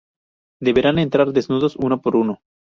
Deberán entrar desnudos uno por uno.